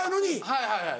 はいはいはい。